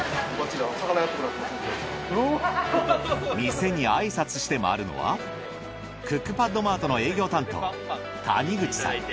店に挨拶して回るのはクックパッドマートの営業担当谷口さん。